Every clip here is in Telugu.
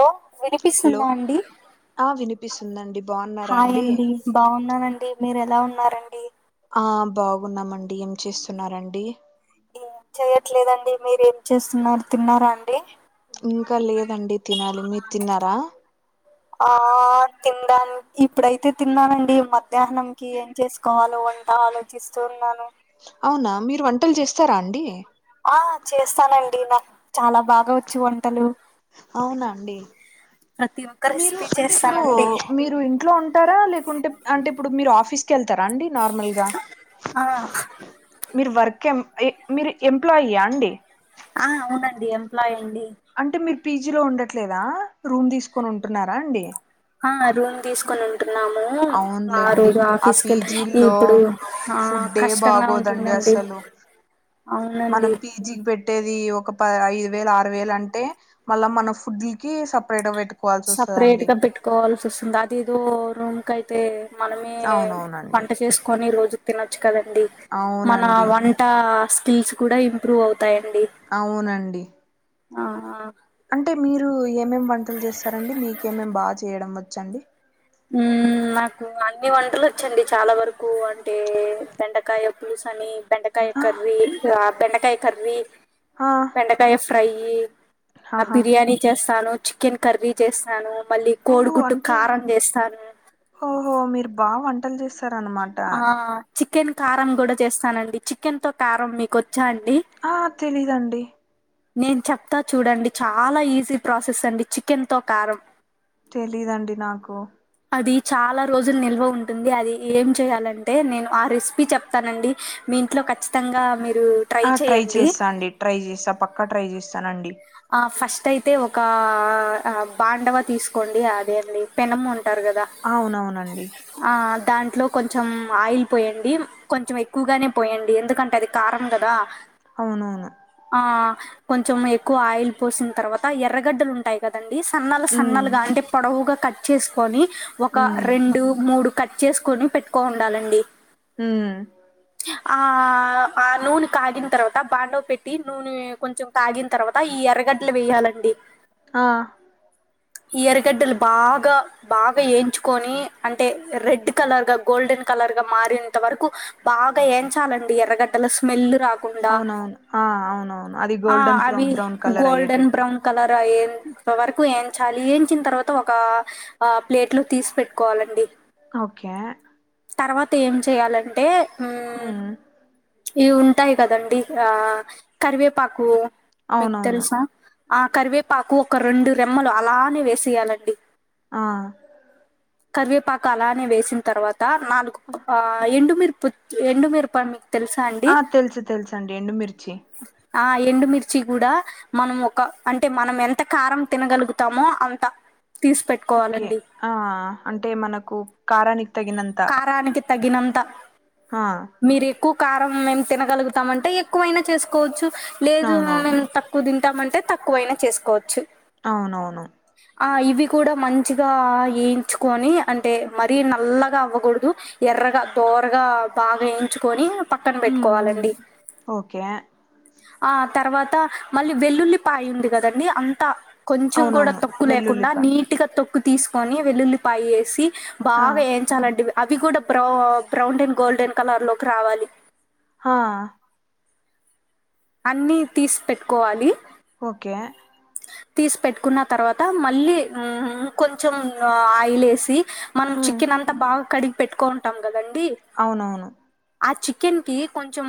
హలో హలో వినిపిస్తుందండి ఆ వినిపిస్తుందండి బాగున్నారా హాయ్ అండి బాగున్నానండి మీరు ఎలా ఉన్నారండి ఆ బాగున్నామండి ఏం చేస్తున్నారండి ఏం చెయట్లేదండి మీర ఏం చేస్తున్నారు తిన్నారా అండి ఇంకా లేదండి తినాలి మీరు తిన్నారా ఆ ఆ తిన్నాను ఇప్పుడైతే తిన్నానండి మధ్యాహ్నం కి ఏం చేసుకోవాలో వంట ఆలోచి చిస్తున్నాను అవునా మీరు వంటలు చేస్తారా అండి ఆ చేస్తానండి నాకు చాలా బాగా వచ్చు వంటలు అవునండి ప్రతి ఒక్క మీరు రెసిపీ అంటే ఇప్పుడు చేస్తానండి మీరు ఇంట్లో ఉంటారా లే కుంటే అంటే ఇప్పుడు మీరు ఆఫీస్కి వెళ్తారా అండి నార్మల్గా ఆ మీరు వర్క్ ఎం మీరు ఎంప్లాయయా అండి ఆ అవునండి ఎంప్లాయండి అంటే మీరు పీజీలో ఉండట్లేదా రూమ్ తీసుకొని ఉంటున్నారండి ఆ రూమ్ తీసుకోనున్ ఉన్నాము వారు అవునులేండి రా ఆ ఆఫీస్ కి వెళితే పీజీల్లో ఇపుడు ఆ ఫుడ్డే కష్టంగా బాగోదండి ఉంటుందండి అవునండి జీబ్పెట్టేది ఒక ప ఐదు వేలు ఆరు వేలు అంటే మళ్ళ మన ఫుడ్ల కి సపరేట్ పెట్టు సపరేట్ గా పెట్టుకోవాల్సి ఆస్తుంది అది ఏదో రూమ్ కై తే మనమే అవునవునండి వంట చేసుకొని రోజుకి తినొచ్చు కదండి మన అవునండి వంట టా స్కిల్స్ కూడా ఇంప్రూవ్ అవుతాయండి అవునండి ఆ ఆ ఆ అంటే మీరు ఏమేమి వంటలు చేస్తారండి మీకేమేయేం బాగా చేయడం వచ్చ అండి ఉ నాకు అన్ని వంటలు వచ్చండి చాలా వరకు అంటే బేండకాయ పులుసు అని బేండకాయ్ ఆ కర్రీ ఆ బేండకాయ్ కర్రీ ఆ బేండకాయ్ ఫ్రైయి ఆ ఆహా బిర్యాని చేస్తాను చికెన్ కర్రీ చేస్తాను మళ్ళి ఓహో కోడిగుడ్డు అంటే కారం ఇస్ ఓహో మీర్ బా వంటలు చేస్ ఆ చికెన్ కారం గూడా చేస్తానండి చికెన్ తో కారం మీకొచ్చా అండ్ ఆ తెలీదండి నే చెప్తా చూడండి చాలా ఈజీ ప్రాసెస్ అండి చికెన్ తో కారం తెలీదండీ నాకు అది చాలా రోజులు నిల్వ ఉంటుంది అది ఏం చెయాలంటే నేను ఆ రెసిపీ చెప్ తనండీ మీ ఇంట్లో ఖచ్చితంగా మీరు ఆ ట్రై చేసా అండి ట్రై చేస్తా పక్కా ట్రై చేస్తానండి ఆ ఫస్ట్ అయితే ఒక ఆ బాండవ తీసుకోండి అదే అండి పెనమ్ అంటార్ కదా ఆవునవునండి ఆ దాంట్లో కొంచం ఆయిల్ పోయండి కొంచెం ఎక్కువగానే పోయండి ఎందుకంటే అది కారం గదా అవునువును ఆ కొంచం ఎక్కువ ఆయిల్ పోసిన తర్వాత ఎర్రగడ్డలు ఉంటాయ్ కదండి సన్నలు ఉమ్ సన్నలుగా గా అంటే పొడవుగా కట్ చేస్కొని ఒక ఉమ్ రెండు మూడు కట్ చేసుకొని పెట్టుకో ఉండాలండి ఉమ్ ఆ ఆ నూనె కాగిన తర్వాత బాండవ్ పెట్టి నూనె కొంచెం తగ్గిన్ అ ఈ ఎర్రగడ్డలు వేయాలండి ఆ ఈ ఎర్రగడ్డలు బాగ్ బాగా యేయించుకొని అంటే రెడ్ కలర్ గా గోల్డెన్ కలర్ గా మారేంత వరక్ బాగా యేచాలండి ఎర్రగడ్డలు స్మెల్ రాక్ అవునవును ఆ అవునవును అది ఆ గోల్డన్ అవి గోల్డెన్ బ్రౌన్ కలర్ అయ్యేంత వరకు ఏంచాలి ఎంచిన్ తర్వాత ఒక ఆ ప్లేట్లొ తీస్ పెట్టుకోవాలన్ ఓకే తర్వాత ఏం చెయాలంటే ఉమ్ ఇవి ఉంటయయ్ కదండి ఆ కర్వేపాకు మీకు అవునవును తెలుసా ఆ కర్వేపాకు ఒక రెండు రెమ్మలు అలానే వేసేయాలండి ఆ కర్వేపాకు అలానే వేసిన్ తర్వాత నాలుగు ఆ ఎండుమిరుప్ ఎండు మిరప ఆ తెలుసు తెలుసు అండి ఎండుమిర్చి ఆ ఎండుమిర్చి గూడా మనం ఒక అంటే మనం ఎంత కారం తినగలుగుతామో అంత తీస్ ఓకే పెట్టుకోవాలండి ఆ అంటే మనకు కారానికి తగినంత కారానికి తగినంత హా మీరు ఎక్కువ కారం మేము తినగలుగుతామంటే ఎక్కువైనా చేసుకోవచ్చు లేదు ఆ అవునవును మేము తక్ క్కువ తింటాము అంటే తక్కువైనా చేసుకోవచ్చు అవునవును ఆ ఇవి కూడా మంచిగా ఏంచుకొని అంటే మరీ నల్ల నల్లగ అవ్వకూడదు ఎర్రగా దోరగా బాగా వేయించుకొని పక్కన ఉమ్ ఉమ్ పెట్టుకోవాలండి ఓకే ఆ తర్వాత మళ్ళీ వెల్లుల్లి పాయి ఉంది కదండి అంతా కొంచెం కూడా అవునవును తొక్కు లేకుండా వెల్లుల్లిపాయ నీట్ గా తొక్కు తీసుకొని వెల్లుల్లిపాయ వేసి ఆ బాగా ఏంచాలండి అవి కూడా బ్రౌ బ్రౌన్ అండ్ గోల్డెన్ కలర్ లోకి రావాలి హా అన్ని తీసి పెట్టుకోవాలి ఓకే తీసి పెట్టుకున్న తర్వాత మళ్ళీ ఊ కొంచెం ఆయిల్ వేసి మనం ఉమ్ చికెన్ అంతా బాగా కడిగి పెట్టుకోంటాం కదండీ అవునవును ఆ చికెన్ కి కొంచెం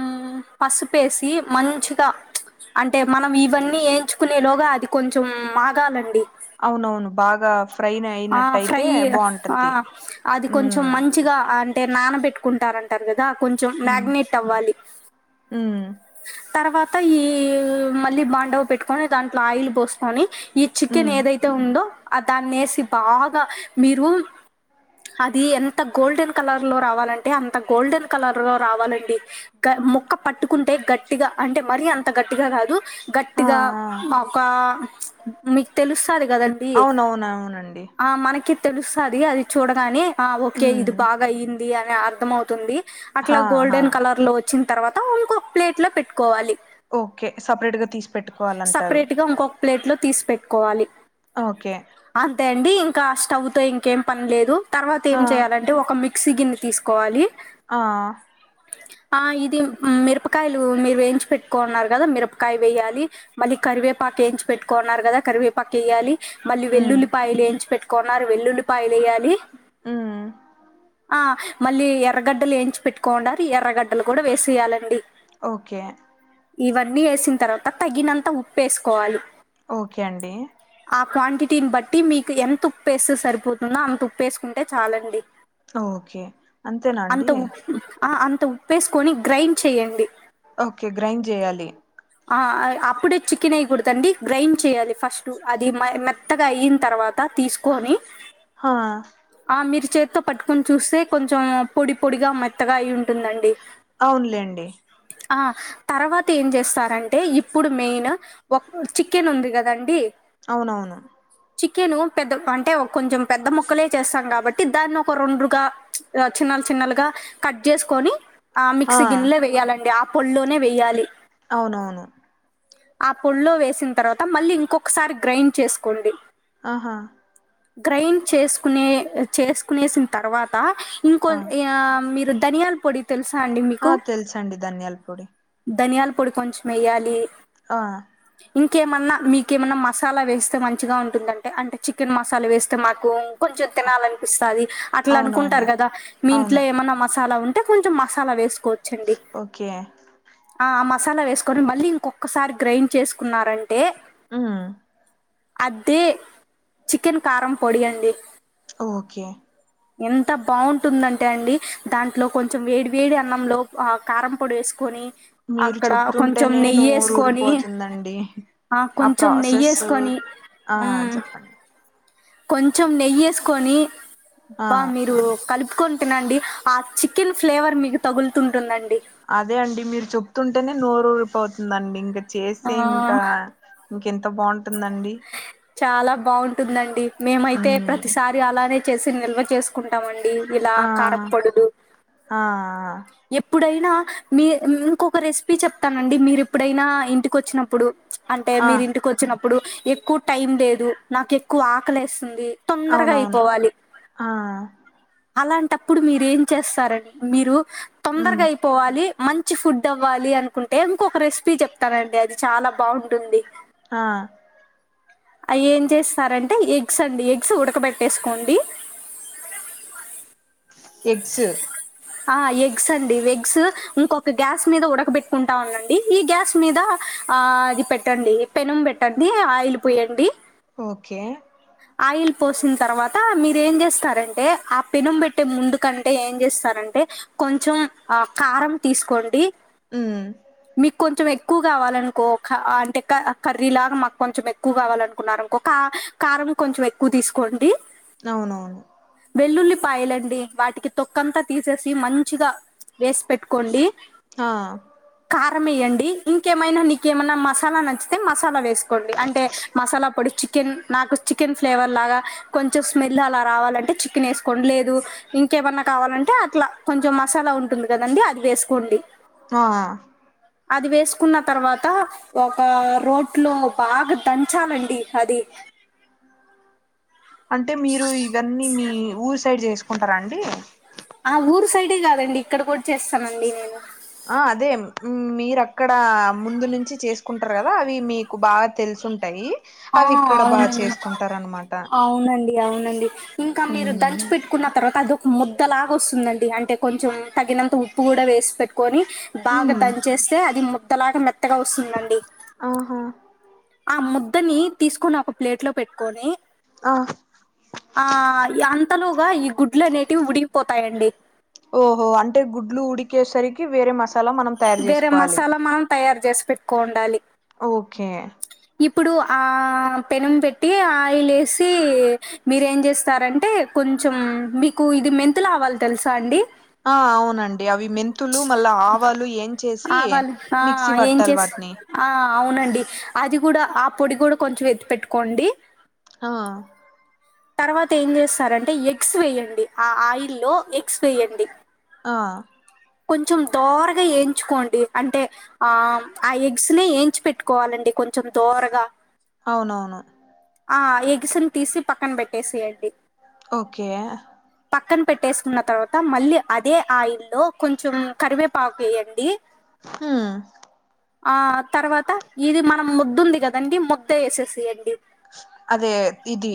పసుపేసి మంచిగా అంటే మనం ఇవన్నీ ఏంచుకోనెలోగా అది కొంచెం మాగాలండి అవునవును బాగా ఫ్రైన్ ఆ అయినట్టయితే ఫ్రై ఆ బావుంటది అది కొంచెం ఉమ్ మంచిగా అంటే నానబెట్టుకుంటారంటారు కదా కొంచెం ఉమ్ మ్యాగ్నేట్ అవ్వాలి ఉమ్ తర్వాత ఈ మళ్ళీ బాండవ పెట్టుకొని దాంట్లో ఆయిల్ పోసుకొని ఈ చికెన్ ఉమ్ ఏదైతే ఉందో అ దాన్నేసి బాగా మీరు అది ఎంత గోల్డెన్ కలర్ లో రావాలంటే అంత గోల్డెన్ కలర్ లో రావాలండి గ మొక్క పట్టుకుంటే గట్టిగా అంటే మరీ అంత గట్టిగా కాదు ఆ గట్టిగా ఆ ఒక మీకు తెలుస్తాది కదండి అవునవునండి ఆ మనకి తెలుస్తాది అది చూడగానే ఆ ఓకే ఉమ్ ఇది బాగా అయింది అని అర్థమవుతుంది అట్లా హా హా గోల్డెన్ కలర్ లో వచ్చిన తర్వాత ఇంకొక ప్లేట్ లో పెట్టుకోవాలి ఓకే సపరేట్ గా తీసు సపరేట్ గా ఇంకొక ప్లేట్ లో తీసి పెట్టుకోవాలి ఓకే అంతే అండి ఇంకా స్టవ్ తో ఇంకేం పనిలేదు తర్వాత ఆ ఏం చేయ్యాలంటే ఒక మిక్ మిక్సి గిన్ని తీసుకోవాలి ఆ [inaudible] ఆ ఇది మిరపకాయలు మీరు వేయించి పెట్టుకోన్నారు కదా మిరపకాయ వేయాలి మళ్ళి కరివేపాకు వేయించుకొని పెట్టుకున్నారు కదా కరివేపాకు వెయ్యాలి మళ్ళి ఉమ్ వెల్లుల్లిపాయలు ఏంచి పెట్టు కొన్నారు వెల్లుల్లి పాయలు వేయాలి ఉమ్మ్ ఆ మళ్ళీ ఎర్రగడ్డలు ఏయించి పెట్టుకోండారు ఎర్రగడ్డలు కూడా వేసెయ్యాలండి ఓకే ఇవన్నీ వేసిన తర్వాత తగినంత ఉప్పు ఏసుకోవాలి ఓకే అండి ఆ క్వాంటిటీని బట్టి మీకు ఎంత ఉప్పేస్తే సరిపోతుందో అంత ఉప్పు ఏసుకుంటే చాలండి ఓకే అంతేనా అంత అండి ఉ ఆ అంత ఉప్పేసుకొని గ్రైండ్ చేయండి ఓకే గ్రైండ్ చేయాలి ఆ ఆ అప్పుడే చికెన్ వేయ్యకూడదండి గ్రైండ్ చేయాలి ఫస్ట్ అది మెత్తగా అయిన తర్వాత తీసు కొని హా ఆ మీరు చేతితో పట్టుకొని చూస్తే కొంచెం పొడి పొడిగా మెత్తగా అయి ఉంటుందండి అవున్లేండి ఆ తర్వాత ఏం చేస్తారంటే ఇప్పుడు మెయిన్ ఒక్కో చికెన్ ఉంది కదండి అవునవును చికెను పెద్ద పంటే కొంచెం పెద్ద ముొక్కలే చేస్తాం కాబట్టి దాన్ని ఒక రొండుగా చిన్నలు చిన్నలుగా కట్ చేసుకోని ఆ మిక్సీ గిన్నెలో వెయ్యాలండి ఆ పొల్లోనే వెయాలి అవునవును ఆ పొడ్లో వేసిన తర్వాత మళ్ళీ ఇంకొకసారి గ్రైండ్ చేసుకోండి ఆహా గ్రైండ్ చేసుకునే చేసుకునేసిన తర్వాత ఇంకొ ఆ మీరు ధనియాల పొడి తెలుసా అండి ఆ మీకు తెలుసండి ధనియాల పొడి ధనియాల పొడి కొంచెం వెయ్యాలి ఆ ఇంకేమన్నా మీకేమన్నా మసాలా వేస్తే మంచిగా ఉంటుందంటే అంటే చికెన్ మసాలా వేస్తే మాకు కొంచెం అ తినాలినిపిస్తాది అట్లా అనుకుంటారు అవునవును కదా మీ ఇంట్లో అవును ఏమైన్నా మసాలా ఉంటే కొంచెం మసాలా వేసు కోచ్చండి ఓకే మసాలా వేసుకొని మళ్ళీ ఇంకొక్కసారి గ్రైండ్ చేసుకున్నారంటే అహ అదే చికెన్ కారం పొడి అండి ఓకే అ ఎంత బాగుంటుందంటే అండి దాంట్లో కొంచెం వేడి వేడి అన్నంలో ఆ కారం పొడి వేసుకొని మీరు అక్కడ కొంచెం నెయ్యేసుకొని అండి ఆ కొంచెం నెయ్యేసుకొని ఆ చెప్పండి కొంచెం నెయ్యేసుకొని ఆ బా మీరు కలుపుకొని నండి ఆ చికెన్ ఫ్లేవర్ మీకు తగులుతుంటుందండి అదే అండి మీరు చెప్తుంటేనే నోరూరి పోతుందండి ఇంకా ఆ చేస్తే ఇంకా ఇంకెంత బాగుంటుందండి చాలా బాగుంటుందండి మేమైతే ఉమ్ ప్రతిసారి అలానే చేసి నిల్వ చేసు కుంటామండి ఇలా ఆ కారం పొడులు ఆ ఎప్పుడైనా మీ ఇంకొక రెసిపీ చెప్తానండి మీరు ఎప్పుడైనా ఇంటికి వచ్చినప్పుడు అంటే ఆ మీరు ఇంటికి వచ్చినప్పుడు ఎక్కువ టైం లేదు నాకు ఎక్కువ ఆకలి వేస్తుంది అవునవును ఆ అలాంటప్పుడు మీర ఏం చేస్తారని మీరు ఉమ్ తొందరగా అయి పోవాలి మంచి ఫుడ్ అవ్వాలి అనుకుంటే ఇంకొక రెసిపీ చెప్తానండి అది చాలా బాగుంటుంది ఆ అ ఏం చేస్తారంటే ఎగ్స్ అండి ఎగ్స్ ఉడకబెట్టేసుకోండి ఎగ్స్ ఆ ఎగ్స్ అండి ఎగ్స్ ఇంకొక గ్యాస్ మీద ఉడకబెట్టుకుంటా ఉనండి ఈ గ్యాస్ మీద ఆ ఇది పెట్టండి పెనుం బెట్టండి ఆయిల్ పోయండి. ఓకే ఆయిల్ పోసిన తర్వాత మీరు ఏం జేస్తారంటే ఆ పెనం బెట్టే ముందుకంటే ఏం జేస్తారంటే కొంచెం ఆ కారం తీసుకోండి. ఉహ్ మీకు కొంచెం ఎక్కువ గావాలనుకో క అంటే కర్రీ లాగా మాకు కొంచెం ఎక్కువ గావాలనుకున్నారునుకో క కారం కొంచెం ఎక్కువ దిసుకోండి. అవునవును వెల్లుల్లిపాయలండి వాటికి తొక్కంతా తీసేసి మంచిగా వేస్ పెట్టుకోండి. ఆ కారం ఏయండి ఇంకేమైనా నీకేమన్నా మసాలా నచ్ తే మసాలా వేసుకోండి అంటే మసాలా పొడి చి చికెన్ నాకు చికెన్ ఫ్లేవర్లాగా కొంచెం స్మెల్ అలా రావాలంటే చికెన్ వేసుకోండి లేదు ఇంకేమన్నా కావాలంటే అట్లా కొంచెం మసాలా ఉంటుంది కదండి అది వేసుకోండి. హాఆ అది వేసుకున్న తర్వాత ఒక రోట్లో బాగా దంచాలండి అది అంటే మీరు ఇవన్నీ మీ ఊరు సైడ్ చేసుకుంటారా అండి. ఆ ఊరు సైడే గాదండి ఇక్కడ కూడా చేస్తానండి నేను ఆ అదే మీరు అక్కడ ముందు నుంచి చేసుకుంటారు గదా అవి మీకు బాగా తెలుసు ఉంటాయి. ఆ అవును, అవునండి అవునండి. ఇంకా మీరు ఉమ్. దంచి పెట్టుకున్న తర్వాత అదొ ముద్ద లాగా వస్తుందండి, అంటే కొంచెం తగినంత ఉప్పు కూడా వేసి పెట్టుకొని బాగా ఉమ్. దంచేస్తే అది ముద్దలాగా మెత్తగా వసుందండి. ఆహా ఆ ముద్దని తీసుకోని ఒక ప్లేట్ లో పెట్టుకొని ఆ ఆ యాఅంతలోగా ఈ గుడ్లు అనేటివి ఉడిగిపోతాయండి. ఓహో అంటే గుడ్లు ఉడికేసరికి వేరే మసాలా మనం తయారు వేరే చేసుకోవాలి మసాలా మనం తయారు జేస్ పెట్టుకో ఉండాలి. ఓకే ఇప్పుడు ఆ పెనం పెట్టి ఆయిల్ ఏసి మీరేం జేస్తారంటే కొంచెం మీకు ఇది మెంతులు ఆవాలు తెలుసా అండి. ఆ అవునండి అవి మెంన్ తులు మళ్ళా ఆవాలు ఎంచ్చేసి మిక్సీ వట్టాలి వాటని. అ అవునండి అది కూడా ఆ పొడి కూడా కొంచెం ఎత్తిపెట్టుకోండి. ఆ తర్వత ఏం జేస్తారంటే ఎగ్స్ వేయండి, ఆ ఆయిల్లో ఎగ్స్ వేయండి. ఆ కొంచెం దోరగా ఏయించుకోండి అంటే ఆమ్ ఆ ఎగ్స్ ని ఏయించి పెట్టుకోవాలండి కొంచెం తోరగా అవునవును ఆ ఎగ్స్నీ తీసి పక్కన బెట్టేసేయండి. ఓకే పక్కన పెట్టేసుకున్న తర్వాత మళ్ళీ అదే ఆయిల్లో కొంచెం కరివేపాకు ఏయండి. హా ఆ తర్వాత ఇది మనం ముద్దుంది కదండి ముద్దె ఏసేసేయండి అదే ఇది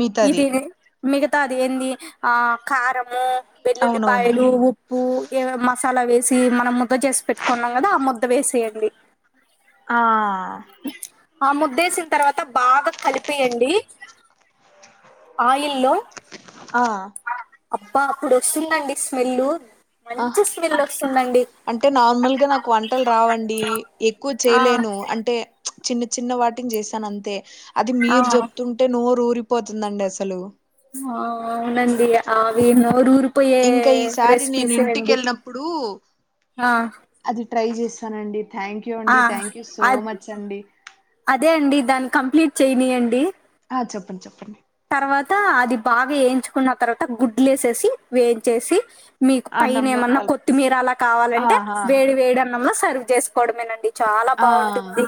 మిగతాది ఇదే మిగతాది ఏంది ఆ కారము అవునవును పెల్లుల్లిపాయలు ఉ ఉప్పు ఏదో మసాలా వేసి మనం ముద్ద చేసి పెట్టుకున్నాం కదా ఆ ముద్ద వేసేయండి ఆ ఆ ముద్దే ఏసిన తర్వాత బాగా కలిపెయండి ఆయిల్లో ఆ అబ్బా అప్పుడు వస్తుందండి స్మెల్ ఆ మంచి స్మెల్ వస్తుంది అంటే నార్మల్గా నాకు వంటలు రావండి ఎక్కువ ఆ చేయలేను అంటే చిన్న చిన్న వాటిని చేసానంతే అది మీరు ఆ చెప్తుంటే నోరు ఊరిపోతుందండి అసలు ఆవు నండి ఆవి నొరు ఊరు ఇంకా ఈసారి నేను ఇంటికెళ్ళినప్పుడు ఆ అది ట్రై చేస్తానండి థ్యాంక్ యూ ఆ అండి thank you so uh much అండి అదే అండి దాన్ని కంప్లీట్ చేయనియండి ఆ చెప్పండి చెప్పండి తర్వాత అది బాగా ఏంచుకున్న తర్వాత గుడ్లు వేసేసి వేయించేసి మీకు పైన అన్నంలో ఏమన్నా కలుపు కొత్తిమీర అలా కావాలంటే ఆహా వేడి వేడి అన్నంలో సర్వ్ చేసుకోవడమేనండి చాలా ఆ బాగుంటుంది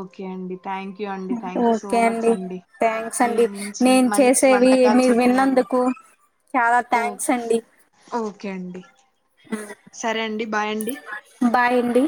ఓకే అండి థ్యాంక్ యూ అండి థ్యాంక్ యూ సో మచ్ అండి థ్యాంక్స్ మీ అండి నుంచి నేను మంచి చేసేవి వంటకాలు మీరు చెప్పినారు విన్నందుకు చాలా ఓ థ్యాంక్స్ అండి ఓకే అండి సరే అండి బాయ్ అండి బాయ్ అండీ